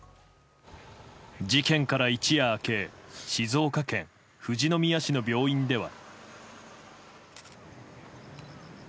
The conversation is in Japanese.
事件から一夜明け静岡県富士宮市の病院では。